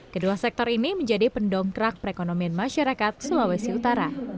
kedua sektor ini menjadi pendong kerasa